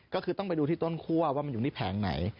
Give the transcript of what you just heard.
ก็คือต้องไปดูที่ต้นคั่วว่ามันอยู่ที่แผงไหน